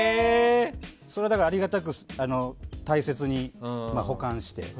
それをありがたく大切に保管して。